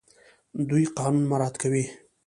دوی قانون مراعات کوي.